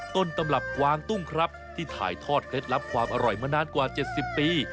ต้นตำรับกวางตุ้งครับที่ถ่ายทอดเคล็ดลับความอร่อยมานานกว่า๗๐ปี